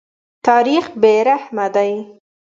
تاریخ بې رحمه دی.